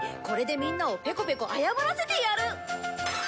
これでみんなをペコペコ謝らせてやる！